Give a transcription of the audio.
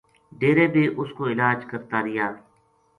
ڈیرے بے اُس کو علاج کرتا رہیا